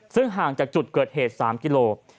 ซึ่งห่างจากจุดเกิดเหตุสามารถ๓กิโลกรัม